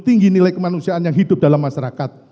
tinggi nilai kemanusiaan yang hidup dalam masyarakat